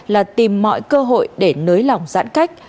là tìm mọi cơ hội để nới lỏng giãn cách